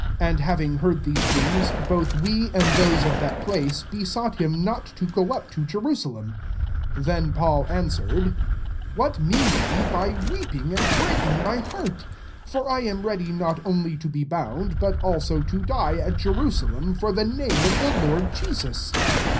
'" 12 And havi ng heard these things, both we, ind those of that place, be sought him not to go up to Jerusalem. 13 Then Paul an 21 sweretl, " What mean ye by weeping and breaking ray heart? for 1 am ready not only to be bound, but also to die, at Jeru salem, for the name of the Lord Jesus."